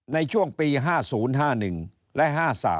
ในช่วงปี๕๐๕๑และ๕๓